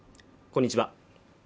こんにちは